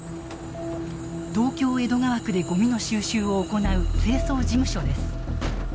東京・江戸川区でごみの収集を行う清掃事務所です。